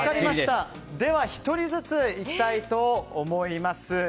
では１人ずついきたいと思います。